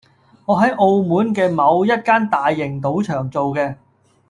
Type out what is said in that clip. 我喺澳門嘅某一間大型賭場做嘢